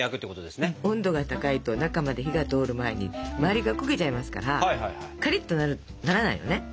温度が高いと中まで火が通る前に周りが焦げちゃいますからカリッとならないのね。